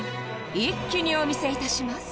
一気にお見せ致します